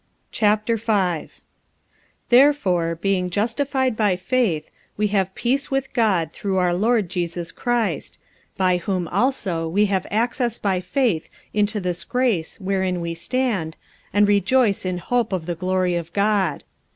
45:005:001 Therefore being justified by faith, we have peace with God through our Lord Jesus Christ: 45:005:002 By whom also we have access by faith into this grace wherein we stand, and rejoice in hope of the glory of God.